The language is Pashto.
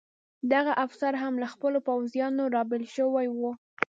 دغه افسر هم له خپلو پوځیانو را بېل شوی و.